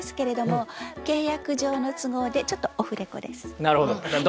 なるほど。